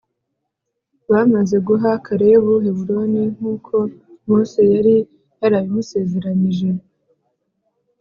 bamaze guha kalebu heburoni nk’uko mose yari yarabimusezeranyije,